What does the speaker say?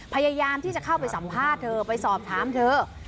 พยายามที่จะเข้าไปสัมภาษณ์เธอไปสอบถามเธอ